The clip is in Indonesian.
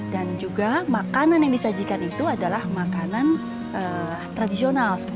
dan juga makanan yang disajikan itu adalah makanan tradisional